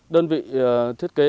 đơn vị thiết kế